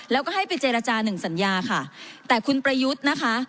แล้วก็ให้ไปเจรจาหนึ่งสัญญาค่ะแต่คุณประยุทธ์นะคะ